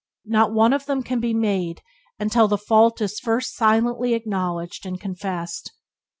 Not one of them can be made until the fault is first silently acknowledged and confessed.